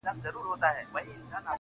په دې ښار كي د قدرت لېوني ډېر وه!!